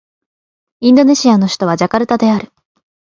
インドネシアの首都はジャカルタである